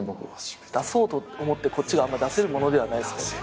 出そうと思ってこっちが出せるものではないですもんね。